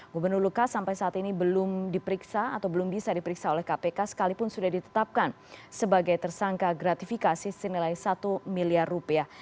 gubernur lukas sampai saat ini belum diperiksa atau belum bisa diperiksa oleh kpk sekalipun sudah ditetapkan sebagai tersangka gratifikasi senilai satu miliar rupiah